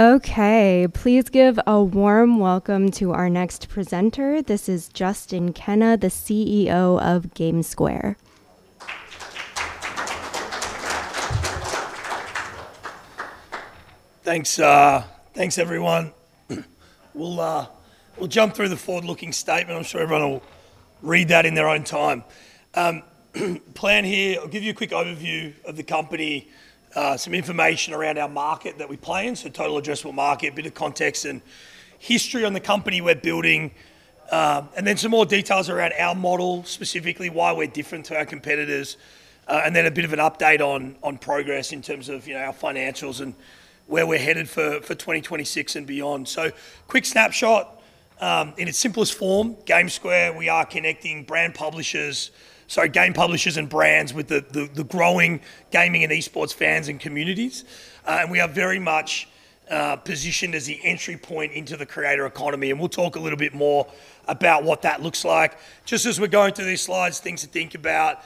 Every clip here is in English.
Okay. Please give a warm welcome to our next presenter. This is Justin Kenna, the Chief Executive Officer of GameSquare. Thanks, thanks everyone. We'll jump through the forward-looking statement. I'm sure everyone will read that in their own time. Plan here, I'll give you a quick overview of the company, some information around our market that we play in, so Total Addressable Market, a bit of context and history on the company we're building. And then some more details around our model, specifically why we're different to our competitors, and then a bit of an update on progress in terms of, you know, our financials and where we're headed for 2026 and beyond. Quick snapshot. In its simplest form, GameSquare, we are connecting game publishers and brands with the growing gaming and esports fans and communities. We are very much positioned as the entry point into the creator economy, and we'll talk a little bit more about what that looks like. Just as we're going through these slides, things to think about,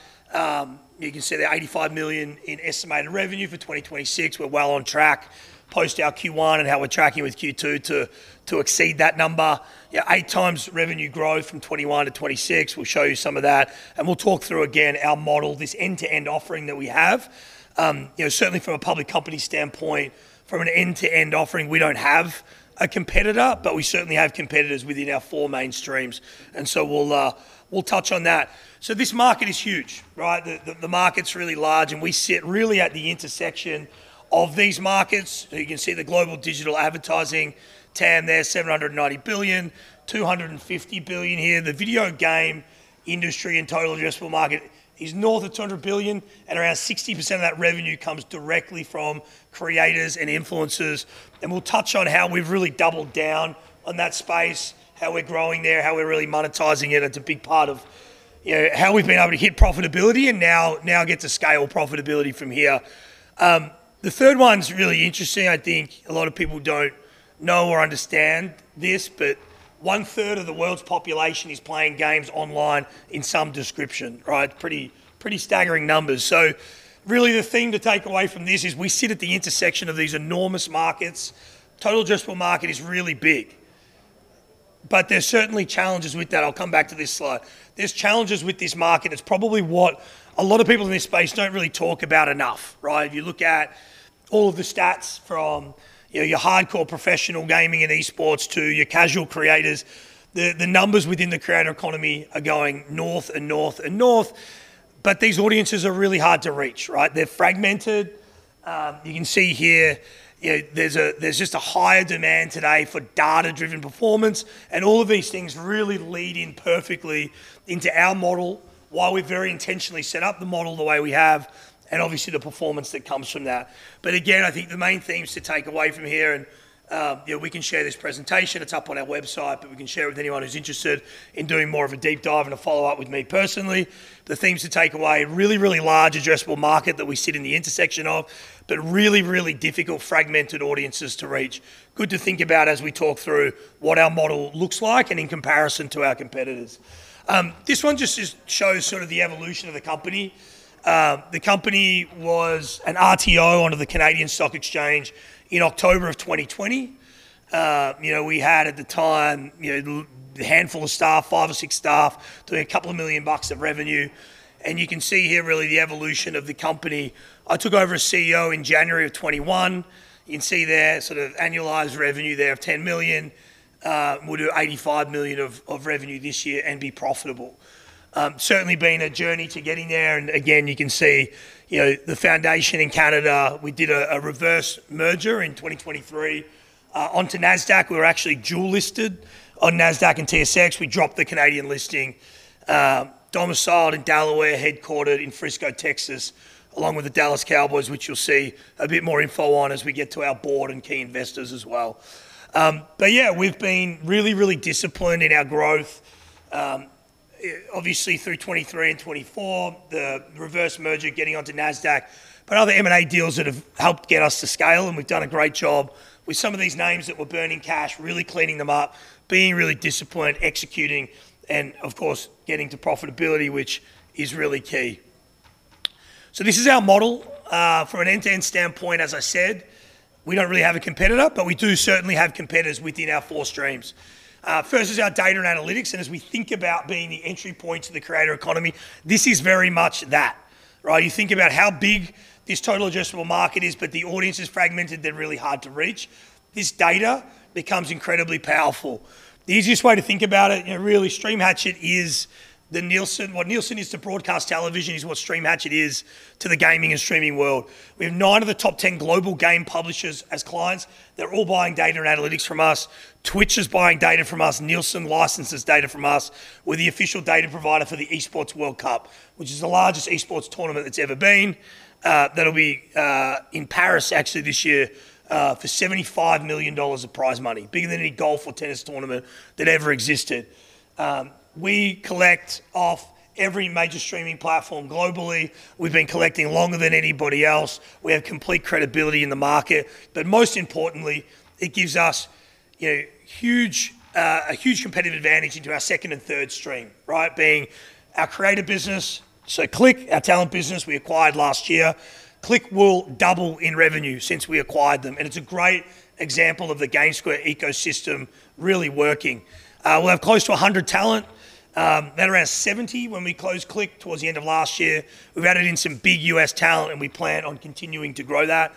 you can see the $85 million in estimated revenue for 2026. We're well on track post our Q1 and how we're tracking with Q2 to exceed that number. 8x revenue growth from 2021-2026. We'll show you some of that, and we'll talk through again our model, this end-to-end offering that we have. You know, certainly from a public company standpoint, from an end-to-end offering, we don't have a competitor, but we certainly have competitors within our four main streams, we'll touch on that. This market is huge, right? The market's really large. We sit really at the intersection of these markets. You can see the global digital advertising TAM there, $790 billion, $250 billion here. The video game industry and total addressable market is north of $200 billion. Around 60% of that revenue comes directly from creators and influencers. We'll touch on how we've really doubled down on that space, how we're growing there, how we're really monetizing it. It's a big part of, you know, how we've been able to hit profitability and now get to scale profitability from here. The third one's really interesting. I think a lot of people don't know or understand this. 1/3 of the world's population is playing games online in some description, right? Pretty staggering numbers. Really the theme to take away from this is we sit at the intersection of these enormous markets. Total addressable market is really big. There's certainly challenges with that. I'll come back to this slide. There's challenges with this market. It's probably what a lot of people in this space don't really talk about enough, right? You look at all of the stats from, you know, your hardcore professional gaming and esports to your casual creators. The numbers within the creator economy are going north and north and north. These audiences are really hard to reach, right? They're fragmented. You can see here, you know, there's just a higher demand today for data-driven performance. All of these things really lead in perfectly into our model, why we very intentionally set up the model the way we have, obviously the performance that comes from that. Again, I think the main themes to take away from here, you know, we can share this presentation. It's up on our website. We can share it with anyone who's interested in doing more of a deep dive and a follow-up with me personally. The themes to take away. Really, really large addressable market that we sit in the intersection of, really, really difficult fragmented audiences to reach. Good to think about as we talk through what our model looks like and in comparison to our competitors. This one just shows sort of the evolution of the company. The company was an RTO under the Canadian Securities Exchange in October of 2020. You know, we had at the time, you know, a handful of staff, five or six staff, doing a couple of million dollars of revenue. You can see here really the evolution of the company. I took over as Chief Executive Officer in January of 2021. You can see there sort of annualized revenue there of $10 million. We'll do $85 million of revenue this year and be profitable. Certainly been a journey to getting there, and again, you can see, you know, the foundation in Canada. We did a reverse merger in 2023 onto Nasdaq. We were actually dual-listed on Nasdaq and TSX. We dropped the Canadian listing. Domiciled in Delaware, headquartered in Frisco, Texas, along with the Dallas Cowboys, which you'll see a bit more info on as we get to our board and key investors as well. Yeah, we've been really disciplined in our growth, obviously through 2023 and 2024, the reverse merger, getting onto Nasdaq, other M&A deals that have helped get us to scale, and we've done a great job with some of these names that were burning cash, cleaning them up, being disciplined, executing, and of course, getting to profitability, which is really key. This is our model. From an end-to-end standpoint, as I said, we don't really have a competitor, we do certainly have competitors within our four streams. First is our data and analytics. As we think about being the entry point to the creator economy, this is very much that, right? You think about how big this total addressable market is. The audience is fragmented. They're really hard to reach. This data becomes incredibly powerful. The easiest way to think about it, you know, really, Stream Hatchet is what Nielsen is to broadcast television is what Stream Hatchet is to the gaming and streaming world. We have nine of the top 10 global game publishers as clients. They're all buying data and analytics from us. Twitch is buying data from us. Nielsen licenses data from us. We're the official data provider for the Esports World Cup, which is the largest esports tournament that's ever been. That'll be in Paris actually this year, for $75 million of prize money, bigger than any golf or tennis tournament that ever existed. We collect off every major streaming platform globally. We've been collecting longer than anybody else. We have complete credibility in the market. Most importantly, it gives us a huge competitive advantage into our second and third stream, right? Being our creative business. Click, our talent business we acquired last year. Click will double in revenue since we acquired them, and it's a great example of the GameSquare ecosystem really working. We'll have close to 100 talent, about around 70 talent when we closed Click towards the end of last year. We've added in some big U.S. talent, and we plan on continuing to grow that.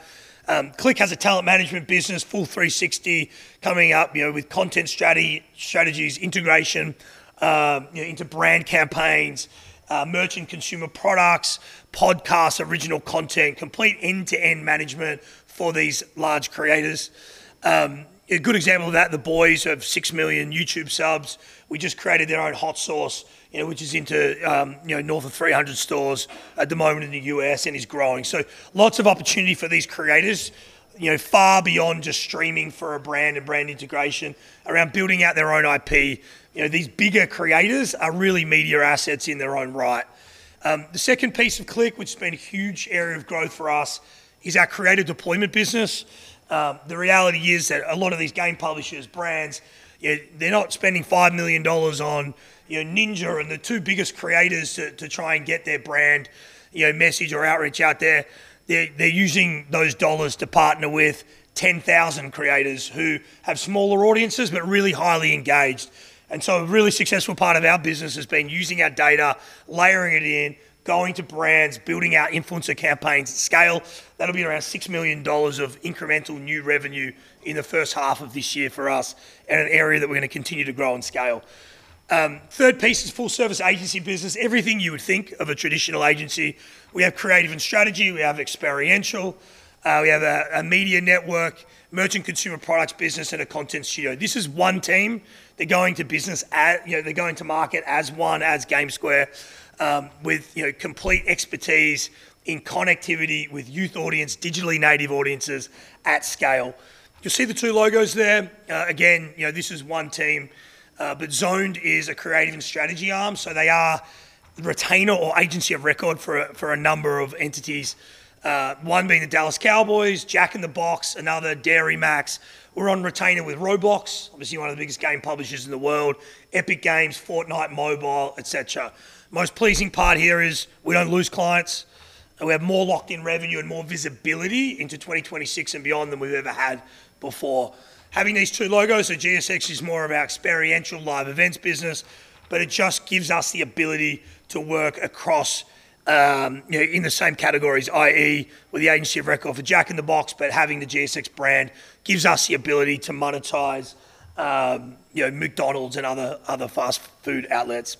Click has a talent management business, full 360 coming up, you know, with content strategies, integration, you know, into brand campaigns, merchant consumer products, podcasts, original content, complete end-to-end management for these large creators. A good example of that, the boys have six million YouTube subscriptions. We just created their own hot sauce, you know, which is into, you know, north of 300 stores at the moment in the U.S. and is growing. Lots of opportunity for these creators, you know, far beyond just streaming for a brand and brand integration around building out their own IP. You know, these bigger creators are really media assets in their own right. The second piece of Click, which has been a huge area of growth for us, is our creative deployment business. The reality is that a lot of these game publishers, brands, they're not spending $5 million on, you know, Ninja and the two biggest creators to try and get their brand, you know, message or outreach out there. They're using those dollars to partner with 10,000 creators who have smaller audiences, but really highly engaged. A really successful part of our business has been using our data, layering it in, going to brands, building out influencer campaigns at scale. That'll be around $6 million of incremental new revenue in the first half of this year for us and an area that we're gonna continue to grow and scale. Third piece is full service agency business. Everything you would think of a traditional agency. We have creative and strategy. We have experiential. We have a media network, merchant consumer products business, and a content studio. This is one team. They're going to market as one, as GameSquare, with, you know, complete expertise in connectivity with youth audience, digitally native audiences at scale. You'll see the two logos there. Again, you know, this is one team, but Zoned is a creative and strategy arm, so they are the retainer or agency of record for a number of entities. One being the Dallas Cowboys, Jack in the Box, another Dairy MAX. We're on retainer with Roblox, obviously one of the biggest game publishers in the world, Epic Games, Fortnite mobile, et cetera. Most pleasing part here is we don't lose clients, and we have more locked-in revenue and more visibility into 2026 and beyond than we've ever had before. Having these two logos, so GSX is more of our experiential live events business, but it just gives us the ability to work across, you know, in the same categories, i.e. with the agency of record for Jack in the Box. Having the GSX brand gives us the ability to monetize, you know, McDonald's and other fast food outlets.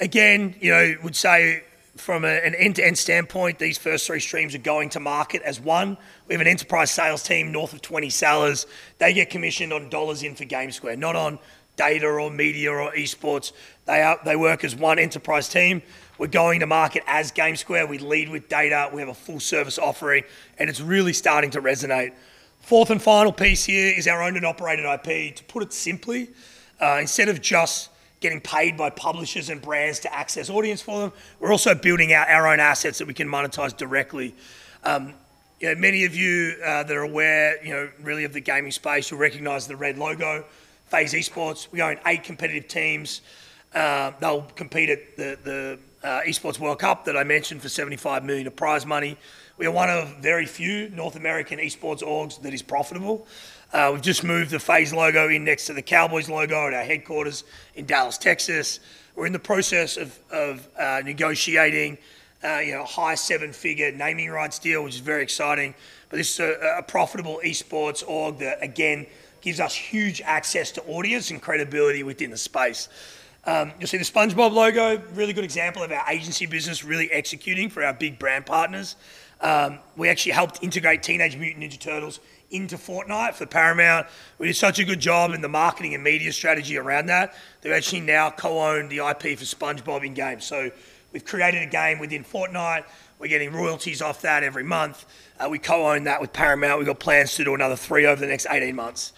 Again, you know, would say from an end-to-end standpoint, these first three streams are going to market as 1. We have an enterprise sales team, north of 20 sellers. They get commissioned on dollars into GameSquare, not on data or media or esports. They work as 1 enterprise team. We're going to market as GameSquare. We lead with data. We have a full service offering, it's really starting to resonate. Fourth and final piece here is our owned and operated IP. To put it simply, instead of just getting paid by publishers and brands to access audience for them, we're also building out our own assets that we can monetize directly. You know, many of you that are aware really of the gaming space will recognize the red logo, FaZe Clan. We own eight competitive teams. They'll compete at the Esports World Cup that I mentioned for $75 million of prize money. We are one of very few North American esports orgs that is profitable. We've just moved the FaZe logo in next to the Cowboys logo at our headquarters in Dallas, Texas. We're in the process of negotiating a high seven-figure naming rights deal, which is very exciting. This is a profitable esports org that again gives us huge access to audience and credibility within the space. You'll see the SpongeBob logo. Really good example of our agency business really executing for our big brand partners. We actually helped integrate Teenage Mutant Ninja Turtles into Fortnite for Paramount. We did such a good job in the marketing and media strategy around that, they've actually now co-own the IP for SpongeBob in-game. We've created a game within Fortnite. We're getting royalties off that every month. We co-own that with Paramount. We've got plans to do another three over the next 18 months.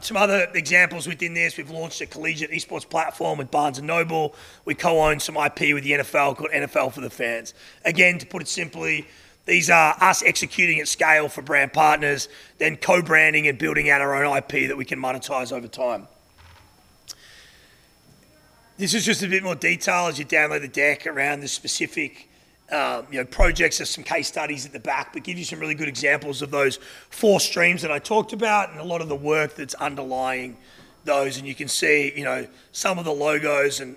Some other examples within this, we've launched a collegiate esports platform with Barnes & Noble. We co-own some IP with the NFL called NFL 4 The Fans. Again, to put it simply, these are us executing at scale for brand partners, then co-branding and building out our own IP that we can monetize over time. This is just a bit more detail as you download the deck around the specific, you know, projects. There's some case studies at the back that give you some really good examples of those four streams that I talked about and a lot of the work that's underlying those. You can see, you know, some of the logos and,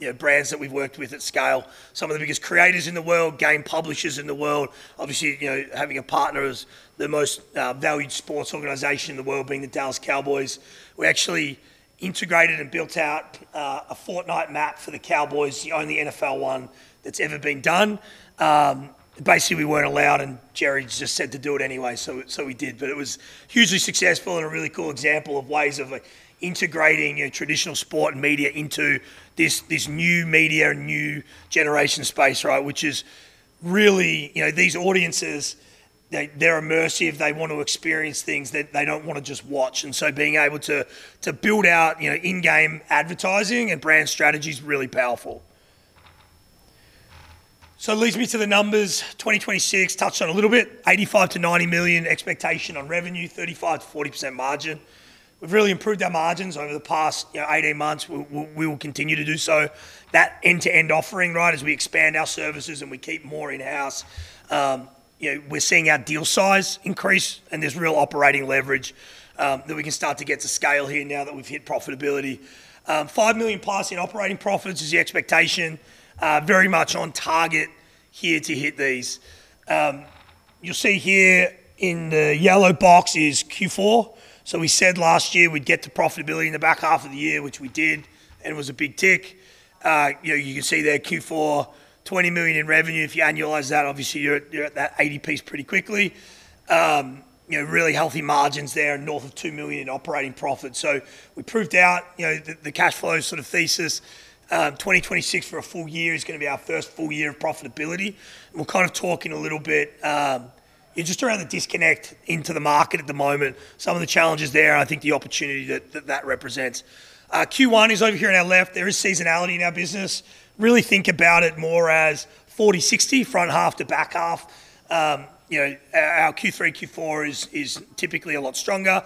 you know, brands that we've worked with at scale. Some of the biggest creators in the world, game publishers in the world. Obviously, you know, having a partner as the most valued sports organization in the world being the Dallas Cowboys. We actually integrated and built out a Fortnite map for the Cowboys, the only NFL one that's ever been done. Basically, we weren't allowed, Jerry just said to do it anyway, so we did. It was hugely successful and a really cool example of ways of, like, integrating, you know, traditional sport and media into this new media and new generation space, right? You know, these audiences, they're immersive. They want to experience things. They don't wanna just watch. Being able to build out, you know, in-game advertising and brand strategy is really powerful. That leads me to the numbers. 2026, touched on a little bit. $85 million-$90 million expectation on revenue, 35%-40% margin. We've really improved our margins over the past, you know, 18 months. We will continue to do so. That end-to-end offering, right, as we expand our services and we keep more in-house, you know, we're seeing our deal size increase, and there's real operating leverage that we can start to get to scale here now that we've hit profitability. $5 million+ in operating profits is the expectation. Very much on target here to hit these. You'll see here in the yellow box is Q4. We said last year we'd get to profitability in the back half of the year, which we did, and it was a big tick. You know, you can see there Q4, $20 million in revenue. If you annualize that, obviously you're at that $80 million pretty quickly. You know, really healthy margins there, north of $2 million in operating profits. We proved out, you know, the cash flow sort of thesis. 2026 for a full year is gonna be our first full year of profitability. We're kind of talking a little bit, yeah, just around the disconnect into the market at the moment, some of the challenges there, and I think the opportunity that represents. Q1 is over here on our left. There is seasonality in our business. Really think about it more as 40-60, front half to back half. You know, our Q3, Q4 is typically a lot stronger.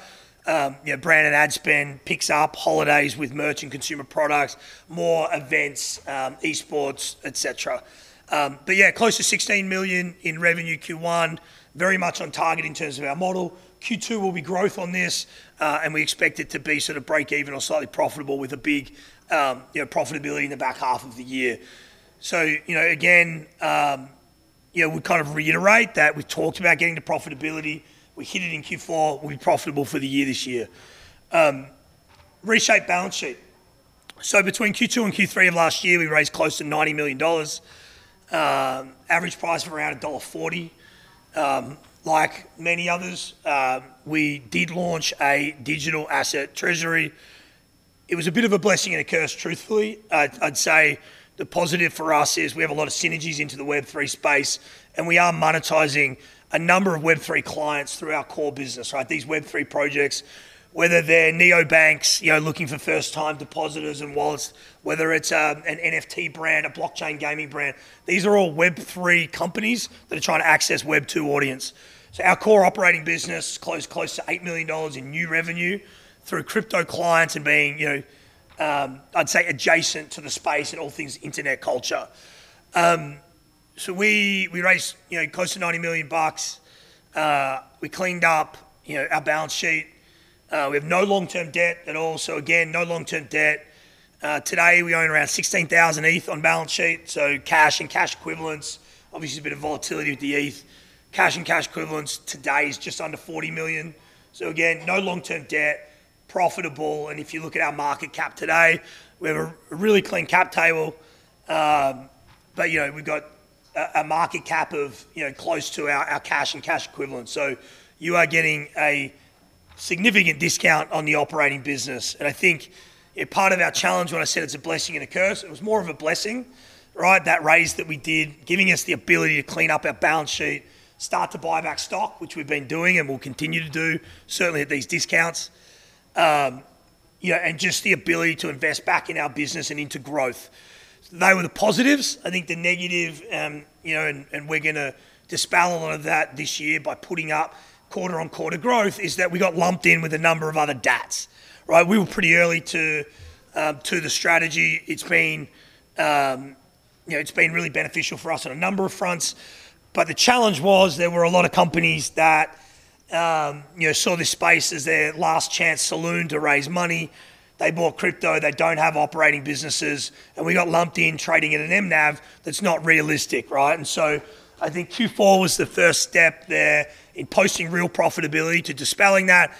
You know, brand and ad spend picks up, holidays with merch and consumer products, more events, esports, et cetera. Close to $16 million in revenue Q1, very much on target in terms of our model. Q2 will be growth on this, and we expect it to be sort of break even or slightly profitable with a big, you know, profitability in the back half of the year. You know, again, you know, we kind of reiterate that. We talked about getting to profitability. We hit it in Q4. We'll be profitable for the year this year. Reshaped balance sheet. Between Q2 and Q3 of last year, we raised close to $90 million, average price of around $1.40. Like many others, we did launch a Digital Asset Treasury. It was a bit of a blessing and a curse, truthfully. I'd say the positive for us is we have a lot of synergies into the Web3 space, and we are monetizing a number of Web3 clients through our core business, right? These Web3 projects, whether they're neobanks, you know, looking for first-time depositors and wallets, whether it's an NFT brand, a blockchain gaming brand, these are all Web3 companies that are trying to access Web2 audience. Our core operating business closed close to $8 million in new revenue through crypto clients and being, you know, I'd say adjacent to the space and all things internet culture. We raised, you know, close to $90 million. We cleaned up, you know, our balance sheet. We have no long-term debt at all, again, no long-term debt. Today we own around 16,000 ETH on balance sheet, so cash and cash equivalents. Obviously, a bit of volatility with the ETH. Cash and cash equivalents today is just under $40 million. Again, no long-term debt, profitable, and if you look at our market cap today, we have a really clean cap table. You know, we've got a market cap of, you know, close to our cash and cash equivalents. You are getting a significant discount on the operating business. I think, you know, part of our challenge when I said it's a blessing and a curse, it was more of a blessing, right? That raise that we did, giving us the ability to clean up our balance sheet, start to buy back stock, which we've been doing and will continue to do, certainly at these discounts. You know, and just the ability to invest back in our business and into growth. They were the positives. I think the negative, you know, we're gonna dispel a lot of that this year by putting up quarter-on-quarter growth, is that we got lumped in with a number of other DATs, right? We were pretty early to the strategy. It's been, you know, it's been really beneficial for us on a number of fronts. The challenge was there were a lot of companies that, you know, saw this space as their last chance saloon to raise money. They bought crypto. They don't have operating businesses. We got lumped in trading at an NAV that's not realistic, right? I think Q4 was the first step there in posting real profitability to dispelling that.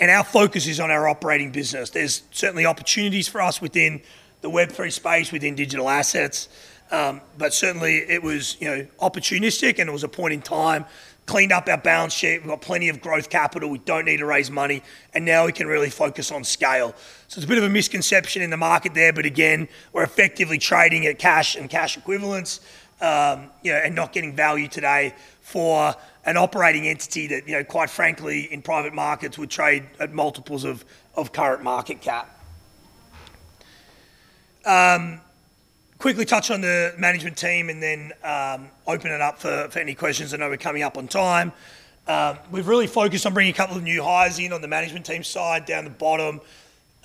Our focus is on our operating business. There's certainly opportunities for us within the Web3 space, within digital assets. Certainly it was, you know, opportunistic, and it was a point in time. Cleaned up our balance sheet. We've got plenty of growth capital. We don't need to raise money. Now we can really focus on scale. It's a bit of a misconception in the market there, but again, we're effectively trading at cash and cash equivalents, you know, and not getting value today for an operating entity that, you know, quite frankly, in private markets would trade at multiples of current market cap. Quickly touch on the management team and then open it up for any questions. I know we're coming up on time. We've really focused on bringing a couple of new hires in on the management team side down the bottom.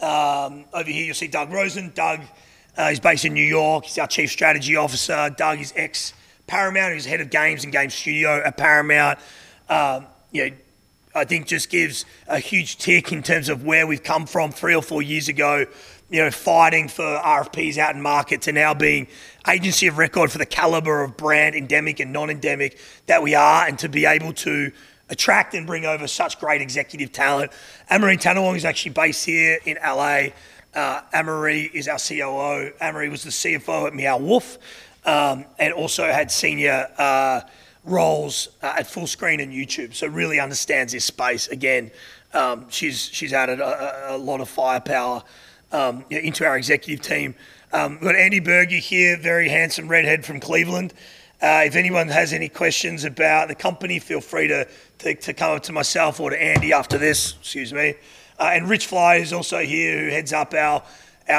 Over here you'll see Doug Rosen. Doug, he's based in New York. He's our chief strategy officer. Doug is ex-Paramount. He was head of games and game studio at Paramount. You know, I think just gives a huge tick in terms of where we've come from three or four years ago, you know, fighting for RFPs out in market to now being agency of record for the caliber of brand, endemic and non-endemic, that we are, and to be able to attract and bring over such great executive talent. Amaree Tanawong is actually based here in L.A. Amaree is our Chief Operating Officer. Amaree was the Chief Financial Officer at Meow Wolf and also had senior roles at Fullscreen and YouTube, so really understands this space. Again, she's added a lot of firepower, you know, into our executive team. We've got Andrew Berger here, very handsome redhead from Cleveland. If anyone has any questions about the company, feel free to come up to myself or to Andrew Berger after this. Excuse me. Rich Flye is also here, who heads up our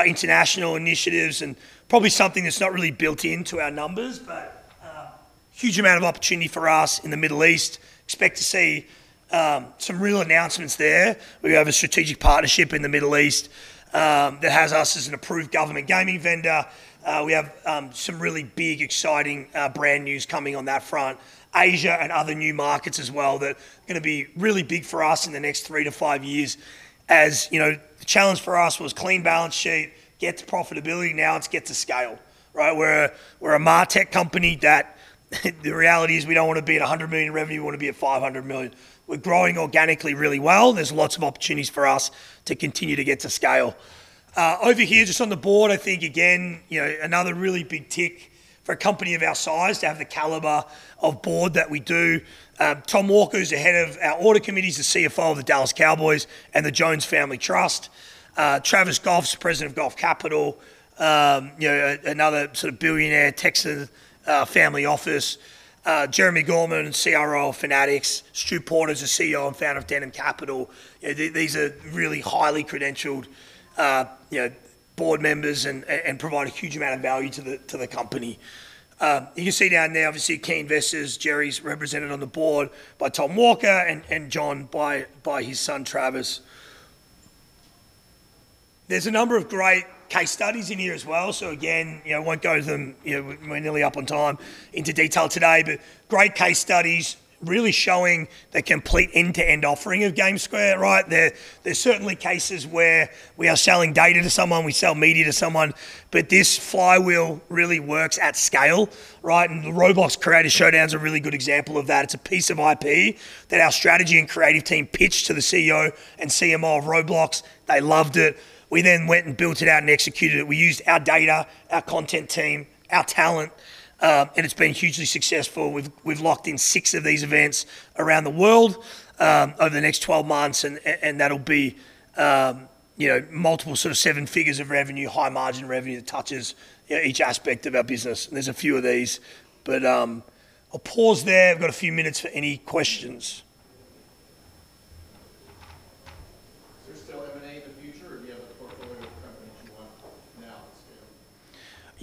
international initiatives, and probably something that's not really built into our numbers. Huge amount of opportunity for us in the Middle East. Expect to see some real announcements there. We have a strategic partnership in the Middle East that has us as an approved government gaming vendor. We have some really big, exciting brand news coming on that front. Asia and other new markets as well that are going to be really big for us in the next three to five years. As you know, the challenge for us was clean balance sheet, get to profitability. Now it is get to scale, right? We're a MarTech company that the reality is we don't wanna be at $100 million revenue, we wanna be at $500 million. We're growing organically really well. There's lots of opportunities for us to continue to get to scale. Over here, just on the board, I think, again, you know, another really big tick for a company of our size to have the caliber of board that we do. Tom Walker, who's the head of our audit committee. He's the Chief Financial Officer of the Dallas Cowboys and the Jones Family Trust. Travis Goff's the president of Goff Capital. you know, another sort of billionaire Texas family office. Jeremi Gorman, Chief Revenue Officer of Fanatics. Stu Porter's the Chief Executive Officer and founder of Denham Capital. You know, These are really highly credentialed, you know, board members and provide a huge amount of value to the company. You can see down there, obviously, key investors. Jerry's represented on the board by Tom Walker and John by his son, Travis. There's a number of great case studies in here as well. So again, you know, I won't go to them, you know, we're nearly up on time, into detail today. But great case studies really showing the complete end-to-end offering of GameSquare, right? There, there's certainly cases where we are selling data to someone, we sell media to someone, but this flywheel really works at scale, right? And the Roblox Creator Showdown's a really good example of that. It's a one piece of IP that our strategy and creative team pitched to the Chief Executive Officer and Chief Marketing Officer of Roblox. They loved it. We went and built it out and executed it. We used our data, our content team, our talent, and it's been hugely successful. We've locked in six of these events around the world over the next 12 months and that'll be, you know, multiple sort of seven figures of revenue, high margin revenue that touches, you know, each aspect of our business. There's a few of these. I'll pause there. I've got a few minutes for any questions. Is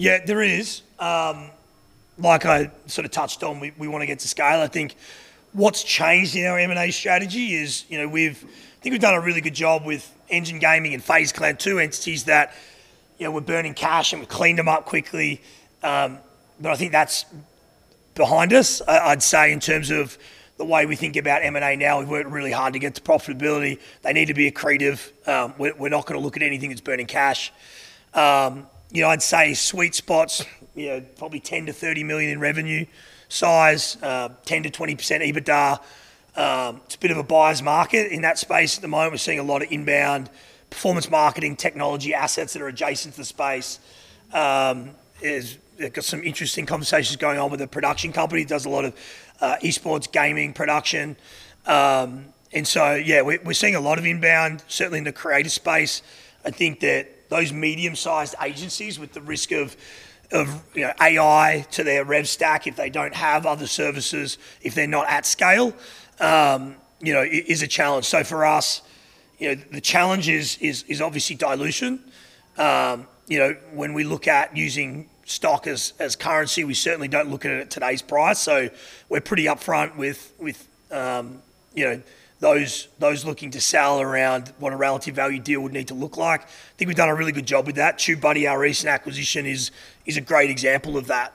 there still M&A in the future, or do you have a portfolio of companies you want now to scale? Yeah, there is. Like I sort of touched on, we wanna get to scale. I think what's changed in our M&A strategy is, you know, I think we've done a really good job with Engine Gaming and FaZe Clan, two entities that, you know, were burning cash. We cleaned them up quickly. I think that's behind us. I'd say in terms of the way we think about M&A now, we've worked really hard to get to profitability. They need to be accretive. We're not gonna look at anything that's burning cash. You know, I'd say sweet spots, you know, probably $10 million-$30 million in revenue size, 10%-20% EBITDA. It's a bit of a buyer's market in that space at the moment. We're seeing a lot of inbound performance marketing technology assets that are adjacent to the space. We've got some interesting conversations going on with a production company, does a lot of esports gaming production. Yeah, we're seeing a lot of inbound certainly in the creative space. I think that those medium-sized agencies with the risk of, you know, AI to their rev stack if they don't have other services, if they're not at scale, you know, is a challenge. For us, you know, the challenge is obviously dilution. You know, when we look at using stock as currency, we certainly don't look at it at today's price. We're pretty upfront with, you know, those looking to sell around what a relative value deal would need to look like. I think we've done a really good job with that. TubeBuddy, our recent acquisition, is a great example of that.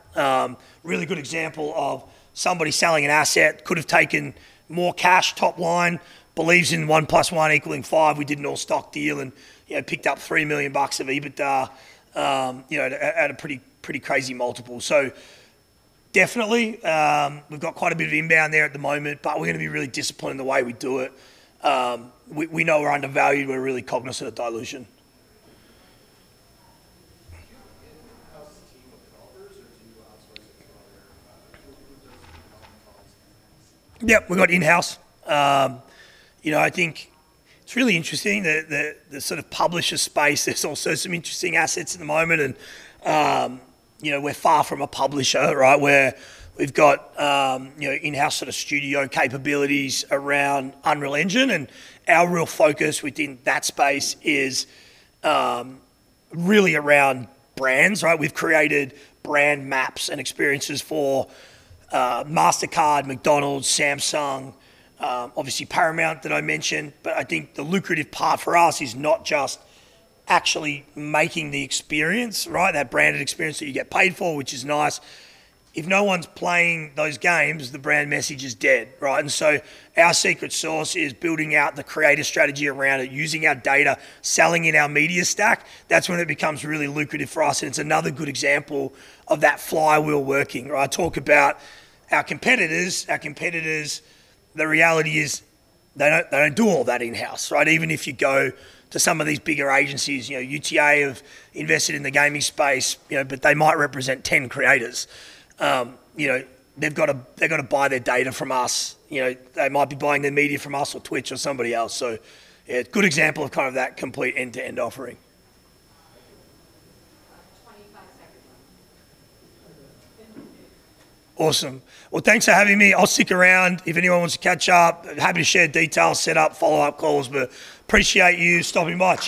Really good example of somebody selling an asset, could have taken more cash top line, believes in one plus one equaling five. We did an all-stock deal and, you know, picked up $3 million of EBITDA, you know, at a pretty crazy multiple. Definitely, we've got quite a bit of inbound there at the moment, but we're gonna be really disciplined in the way we do it. We know we're undervalued. We're really cognizant of dilution. Do you have in-house team of developers or do you outsource it to other people who does development policy analysis? Yep, we've got in-house. You know, I think it's really interesting the sort of publisher space, there's also some interesting assets at the moment, you know, we're far from a publisher, right? We've got, you know, in-house sort of studio capabilities around Unreal Engine and our real focus within that space is really around brands, right? We've created brand maps and experiences for Mastercard, McDonald's, Samsung, obviously Paramount that I mentioned. I think the lucrative part for us is not just actually making the experience, right? That branded experience that you get paid for, which is nice. If no one's playing those games, the brand message is dead, right? Our secret sauce is building out the creative strategy around it, using our data, selling in our media stack. That's when it becomes really lucrative for us, and it's another good example of that flywheel working. I talk about our competitors. Our competitors, the reality is they don't do all that in-house, right? Even if you go to some of these bigger agencies, you know, UTA have invested in the gaming space, you know, but they might represent 10 creators. You know, they've gotta buy their data from us. You know, they might be buying their media from us or Twitch or somebody else. Yeah, good example of kind of that complete end-to-end offering. 25 seconds. Awesome. Well, thanks for having me. I will stick around if anyone wants to catch up. Happy to share details, set up follow-up calls, but appreciate you stopping by. Cheers.